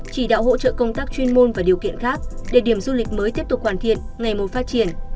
chỉ đạo hỗ trợ công tác chuyên môn và điều kiện khác để điểm du lịch mới tiếp tục hoàn thiện ngày mùa phát triển